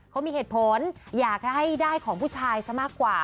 เขามีเหตุผลอยากให้ได้ของผู้ชายซะมากกว่า